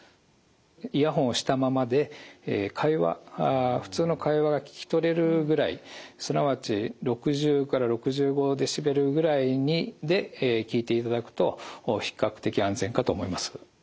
イヤホンをしたままで普通の会話が聞き取れるぐらいすなわち６０から６５デシベルぐらいで聴いていただくと比較的安全かと思います。